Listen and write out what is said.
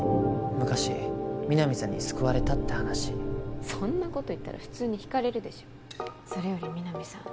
昔皆実さんに救われたって話そんなこと言ったら普通に引かれるでしょそれより皆実さん